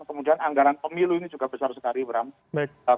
kemudian anggaran pemilu ini juga besar sekali bram